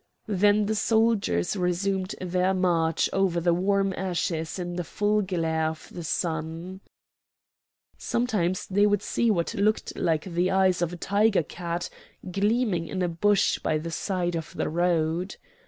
Then the soldiers resumed their march over the warm ashes in the full glare of the sun. Sometimes they would see what looked like the eyes of a tiger cat gleaming in a bush by the side of the road.